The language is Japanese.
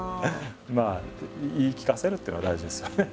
言い聞かせるというのは大事ですよね。